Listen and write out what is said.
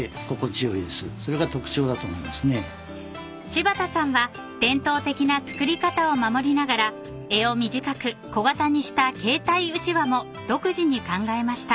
［柴田さんは伝統的な作り方を守りながら柄を短く小型にした携帯うちわも独自に考えました］